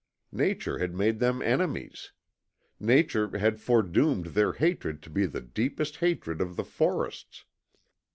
Nature had made them enemies. Nature had fore doomed their hatred to be the deepest hatred of the forests.